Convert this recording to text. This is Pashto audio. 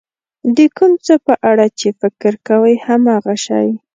د کوم څه په اړه چې فکر کوئ هماغه شی.